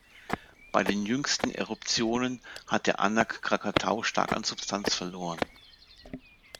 Bei den jüngsten Eruptionen hat der Anak Krakatau stark an Substanz verloren.